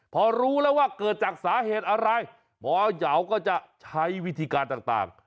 พอรู้แล้วว่าเกิดจากสาเหตุอะไรหมอยาวก็จะใช้วิธีการต่าง